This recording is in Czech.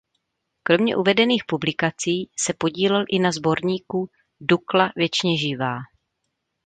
Kromě uvedených publikací se podílel i na sborníku "Dukla věčně živá".